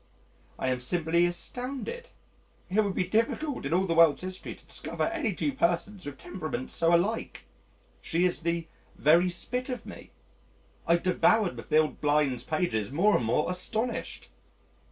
I am simply astounded. It would be difficult in all the world's history to discover any two persons with temperaments so alike. She is the "very spit of me "! I devoured Mathilde Blind's pages more and more astonished.